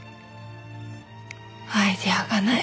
アイデアがない。